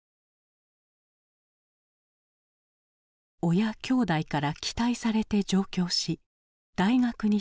親きょうだいから期待されて上京し大学に進学した。